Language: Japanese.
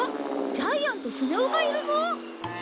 ジャイアンとスネ夫がいるぞ。